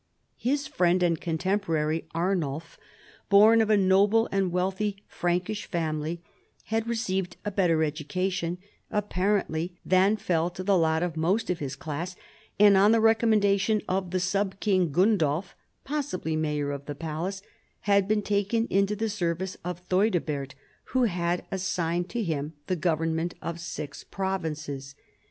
His friend and contemporary, Arnulf, born of a noble and wealthy Frankish family, had received a better edu cation, apparently, than fell to the lot of most of his class, and, on the recommendation of the " sub king" Gundulf (possibly mayor of the palace), had been taken into the service of Theudebert, who had as ; signed to him the government of six provinces.